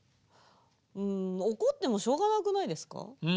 うん怒ってもしょうがなくないですか。